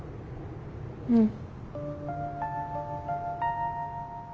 うん。